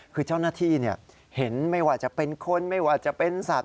คือเจ้าหน้าที่เห็นไม่ว่าจะเป็นคนไม่ว่าจะเป็นสัตว